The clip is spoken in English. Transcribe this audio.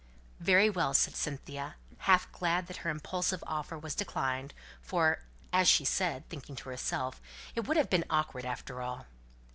"Very well!" said Cynthia, half glad that her impulsive offer was declined; for, as she said, thinking to herself, "It would have been awkward after all."